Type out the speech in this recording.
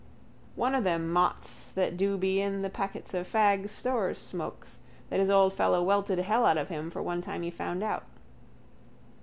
One of them mots that do be in the packets of fags Stoer smokes that his old fellow welted hell out of him for one time he found out.